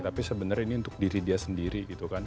tapi sebenarnya ini untuk diri dia sendiri gitu kan